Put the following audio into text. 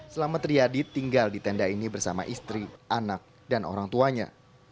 selama triadi tinggal di tenda ini bersama istri anak dan orang tuanya